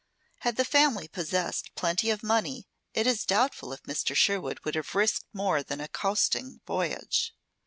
Had the family possessed plenty of money it is doubtful if Mr. Sherwood would have risked more than a coasting voyage.